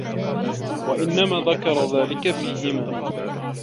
وَإِنَّمَا ذَكَرَ ذَلِكَ فِيهِمَا